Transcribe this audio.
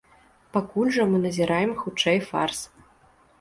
Пакуль жа мы назіраем хутчэй фарс.